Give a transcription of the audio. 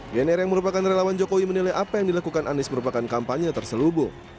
gnr yang merupakan relawan jokowi menilai apa yang dilakukan anies merupakan kampanye terselubung